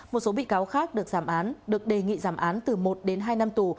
một số bị cáo khác được giảm án được đề nghị giảm án từ một đến hai năm tù